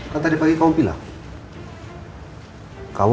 kamu mau pergi nyari susu ibu hamil dan juga vitamin